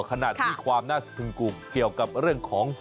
ขณะที่ความน่าสะพึงกูเกี่ยวกับเรื่องของ